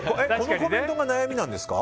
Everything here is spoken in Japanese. このコメントが悩みなんですか。